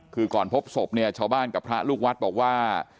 คือก่อนพบศพเนี่ยชาวบ้านกับพระลูกวัดบอกว่า